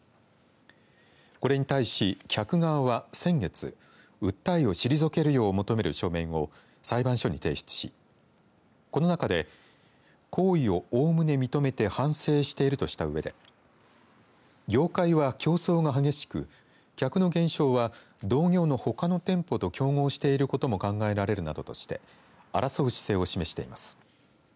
これに対し、客側は先月訴えを退けるよう求める書面を裁判所に提出しこの中で、行為をおおむね認めて反省しているとしたうえで業界は競争が激しく客の減少は、同業のほかの店舗と競合していることも考えられるなどとして争う姿勢を示しています。